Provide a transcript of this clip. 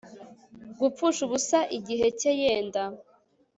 gupfusha ubusa igihe ke yenda